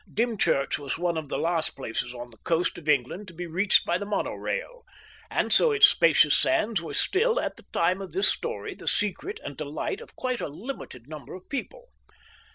Dymchurch was one of the last places on the coast of England to be reached by the mono rail, and so its spacious sands were still, at the time of this story, the secret and delight of quite a limited number of people.